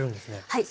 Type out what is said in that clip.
はい。